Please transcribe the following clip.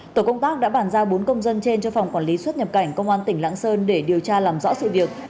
tổ công tác đã bàn giao bốn công dân trên cho phòng quản lý xuất nhập cảnh công an tỉnh lãng sơn để điều tra làm rõ sự việc